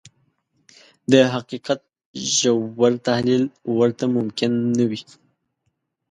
د حقيقت ژور تحليل ورته ممکن نه وي.